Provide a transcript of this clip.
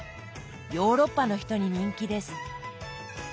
ヨーロッパの人に人気です。